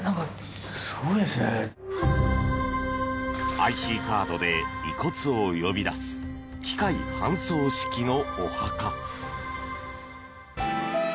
ＩＣカードで遺骨を呼び出す機械搬送式のお墓。